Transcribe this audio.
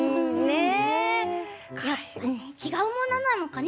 違うものなのかね